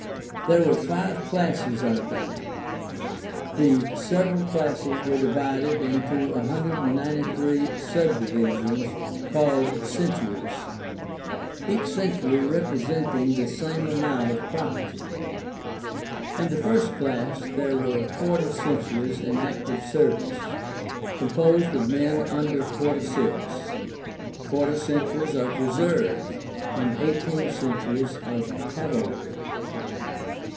There were five "Classes" of them. The several classes were divided into 193 subdivisions called "Centuries," each century representing the same amount of property. In the first class there were forty centuries in active service, composed of men under forty six, forty centuries of reserve, and eighteen centuries of cavalry.